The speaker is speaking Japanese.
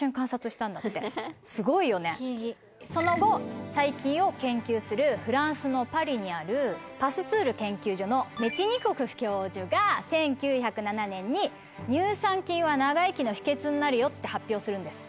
すごいよねその後細菌を研究するフランスのパリにあるパスツール研究所のメチニコフ教授が１９０７年に「乳酸菌は長生きの秘訣になるよ」って発表するんです。